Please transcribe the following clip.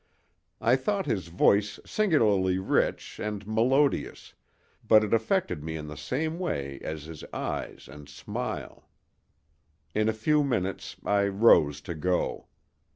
I thought his voice singularly rich and melodious, but it affected me in the same way as his eyes and smile. In a few minutes I rose to go.